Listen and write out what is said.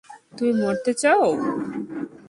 তুমি মরতে চাউ?